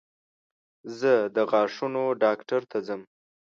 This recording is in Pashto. زه د غاښونو ډاکټر ته ځم.